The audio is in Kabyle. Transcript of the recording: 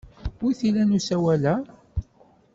Wi t-ilan usawal-a?